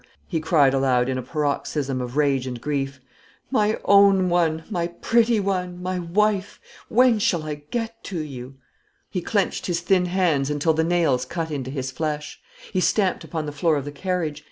he cried aloud, in a paroxysm of rage and grief. "My own one, my pretty one, my wife, when shall I get to you?" He clenched his thin hands until the nails cut into his flesh. He stamped upon the floor of the carriage.